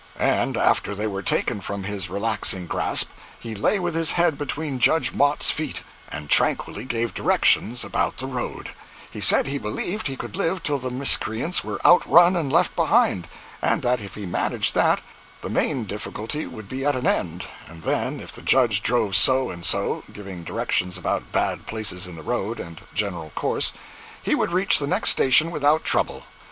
And after they were taken from his relaxing grasp, he lay with his head between Judge Mott's feet, and tranquilly gave directions about the road; he said he believed he could live till the miscreants were outrun and left behind, and that if he managed that, the main difficulty would be at an end, and then if the Judge drove so and so (giving directions about bad places in the road, and general course) he would reach the next station without trouble.